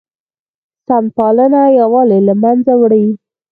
سمت پالنه یووالی له منځه وړي